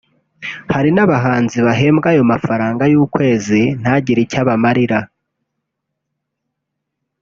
Hari n’abahanzi bahembwa ayo mafaranga y’ukwezi ntagire icyo abamarira